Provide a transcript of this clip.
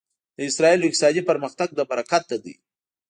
د اسرایلو اقتصادي پرمختګ له برکته دی.